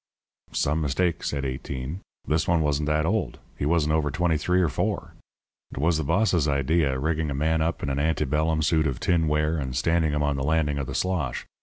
"Some mistake," said Eighteen. "This one wasn't that old. He wasn't over twenty three or four. "It was the boss's idea, rigging a man up in an ante bellum suit of tinware and standing him on the landing of the slosh.